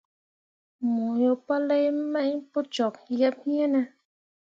Mo yo palai mai pu cok yeb iŋ ne.